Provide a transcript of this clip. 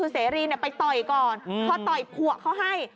เสรี่ใกล้ไปปล่อยก่อนเขาต่อยพวกเขาให้